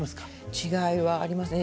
違いはありますね。